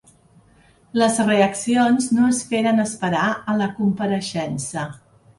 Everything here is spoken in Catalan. Les reaccions no es feren esperar a la compareixença.